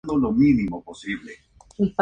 Es una de las más cálidas y secas de Eslovaquia.